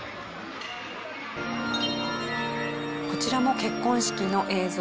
こちらも結婚式の映像。